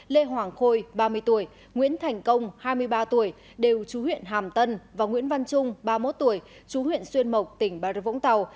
lê hoàng khôi ba mươi tuổi nguyễn thành công hai mươi ba tuổi đều chú huyện hàm tân và nguyễn văn trung ba mươi một tuổi chú huyện xuyên mộc tỉnh bà rập vũng tàu